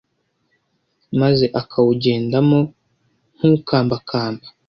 maze akawugendamo nk’ukambakamba